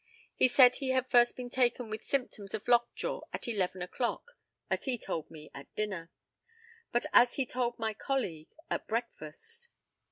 He said he had first been taken with symptoms of lockjaw at eleven o'clock as he told me, at dinner, but, as he told my colleague, at breakfast.